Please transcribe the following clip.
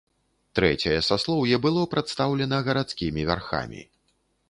Трэцяе саслоўе было прадстаўлена гарадскімі вярхамі.